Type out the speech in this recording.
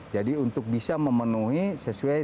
jadi untuk bisa memenuhi sesuai dengan tugas tugas pokoknya